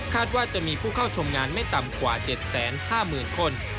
ว่าจะมีผู้เข้าชมงานไม่ต่ำกว่า๗๕๐๐๐คน